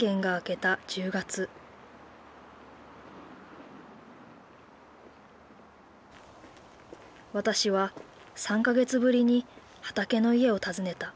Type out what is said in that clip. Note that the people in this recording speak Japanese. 私は３か月ぶりにはたけのいえを訪ねた。